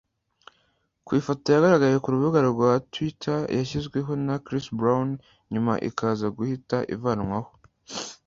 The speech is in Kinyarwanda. Ku ifoto yagaragaye k’urubuga rwa twitter yashyizweho na Chris Brown nyuma ikaza guhita ivanwaho